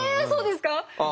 そうですか？